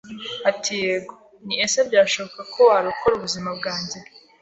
Ati yego, nti ese byashoboka ko warokora ubuzima bwanjye